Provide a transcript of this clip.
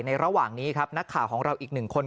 ระหว่างนี้ครับนักข่าวของเราอีกหนึ่งคน